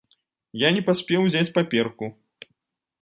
Я не паспеў узяць паперку.